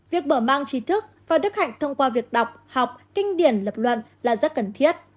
việc mở mang trí thức và đức hạnh thông qua việc đọc học kinh điển lập luận là rất cần thiết